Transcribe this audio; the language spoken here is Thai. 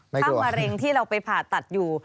ถ้ามะเร็งที่เราไปผ่าตัดอยู่